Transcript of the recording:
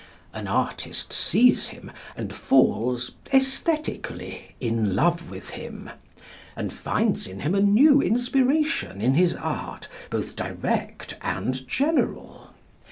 An artist sees him and falls æsthetically in love with him, and finds in him a new inspiration in his art, both direct and general.